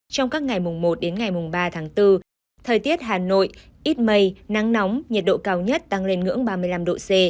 trong các ngày mùng một đến ngày mùng ba tháng bốn thời tiết hà nội ít mây nắng nóng nhiệt độ cao nhất tăng lên ngưỡng ba mươi năm độ c